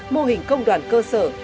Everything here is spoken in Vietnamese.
mô hình công đoàn cơ sở